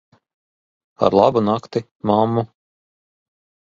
Ar labu nakti, mammu.